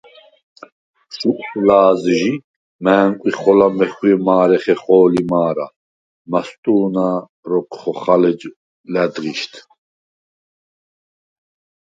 შუკვს ლა̄ზჟი მა̄̈ნკვი ხოლა მეხვიე მა̄რე ხეხო̄ლი მა̄რა, მასტუ̄ნა̄ როქვ ხოხალ ეჯ ლა̈დღიშდ.